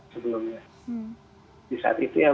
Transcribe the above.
sebelumnya di saat itu ya